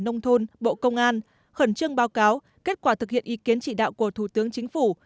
nông thôn bộ công an khẩn trương báo cáo kết quả thực hiện ý kiến chỉ đạo của thủ tướng chính phủ